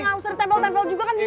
nggak usah tembel tembel juga kan bisa